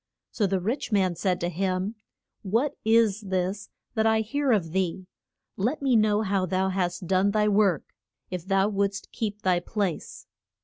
So the rich man said to him, What is this that I hear of thee? Let me know how thou hast done thy work, if thou wouldst keep thy place.